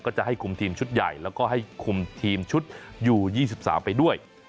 จะให้คุมทีมชุดใหญ่แล้วก็ให้คุมทีมชุดอยู่๒๓ไปด้วย